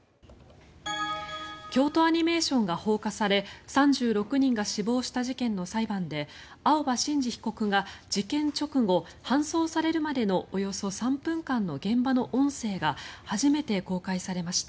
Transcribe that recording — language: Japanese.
京都アニメーションが放火され３６人が死亡した事件の裁判で青葉真司被告が事件直後搬送されるまでのおよそ３分間の現場の音声が初めて公開されました。